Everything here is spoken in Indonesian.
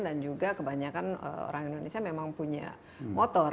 dan juga orang indonesia memang punya motor